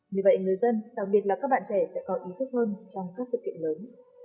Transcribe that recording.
vì vậy người dân đặc biệt là các bạn trẻ sẽ có ý thức hơn trong các sự kiện lớn